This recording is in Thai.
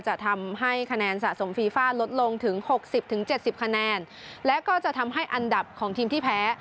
จะทำให้คะแนนสะสมฟีฟ่าลดลงถึงหกสิบถึงเจ็ดสิบคะแนนและก็จะทำให้อันดับของทีมที่แพ้